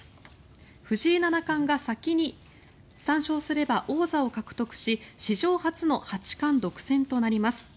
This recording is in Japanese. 藤井七冠が先に３勝すれば王座を獲得し史上初の八冠独占となります。